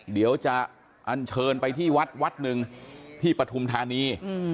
เดี๋ยวจะอันเชิญไปที่วัดวัดหนึ่งที่ปฐุมธานี